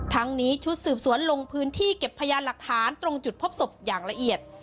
ทั้งนี้ชุดสืบสวนลงพื้นที่เก็บพยานหลักฐานตรงจุดพบศพอย่างละเอียด